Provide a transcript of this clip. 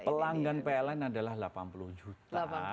pelanggan pln adalah delapan puluh juta